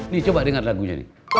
nih coba dengar lagunya